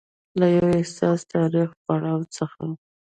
له يو حساس تاریخي پړاو څخه